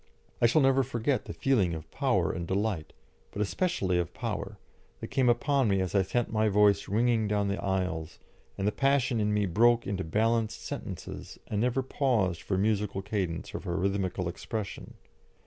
I shall never forget the feeling of power and delight but especially of power that came upon me as I sent my voice ringing down the aisles, and the passion in me broke into balanced sentences and never paused for musical cadence or for rhythmical expression.